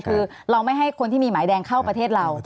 คือเราไม่ให้คนที่มีหมายแดงเข้าประเทศเรา